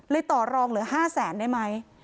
ต่อรองเหลือ๕แสนได้ไหม